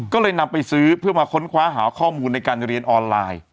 ก็เลยนำไปซื้อเพื่อมาค้นคว้าหาข้อมูลในการเรียนออนไลน์